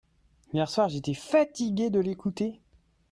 Hier soir j'étais fatigué de l'écouter.